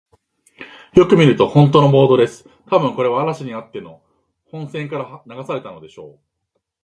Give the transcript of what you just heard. よく見ると、ほんとのボートです。たぶん、これは嵐にあって本船から流されたのでしょう。